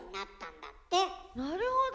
なるほど。